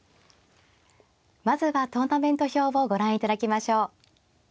まずはトーナメント表をご覧いただきましょう。